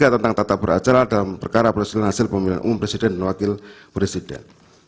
dua ribu dua puluh tiga tentang tata beracara dalam perkara berhasil hasil pemilihan umum presiden dan wakil presiden